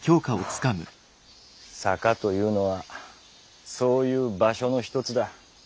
「坂」というのはそういう「場所」の一つだ。